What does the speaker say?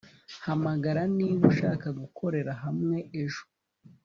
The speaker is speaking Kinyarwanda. Hamagara niba ushaka gukorera hamwe ejo